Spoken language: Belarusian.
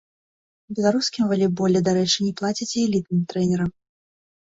У беларускім валейболе, дарэчы, не плацяць і элітным трэнерам.